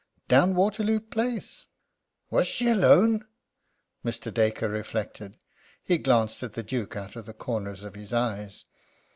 "Down Waterloo Place." "Was she alone?" Mr. Dacre reflected. He glanced at the Duke out of the corners of his eyes.